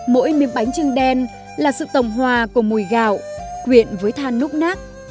mỗi miếng bánh trưng đen là sự tổng hòa của mùi gạo quyện với than núc nác